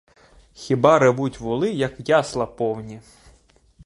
Хіба ревуть воли, як ясла повні?